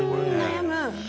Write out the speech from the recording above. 悩む。